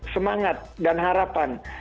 semangat dan harapan